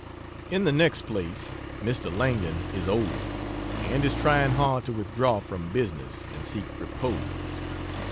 In the next place Mr. Langdon is old, and is trying hard to withdraw from business and seek repose.